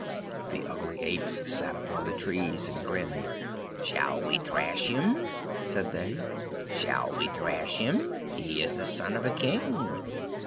The ugly apes sat upon the trees, and grinned. "Shall we thrash him?" said they. "Shall we thrash him? He is the son of a king!"